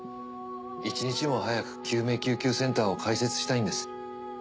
一日も早く救命救急センターを開設したいんです。